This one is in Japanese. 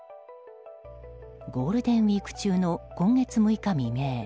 ゴールデンウィーク中の今月６日未明。